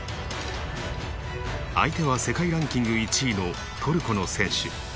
相手は世界ランキング１位のトルコの選手。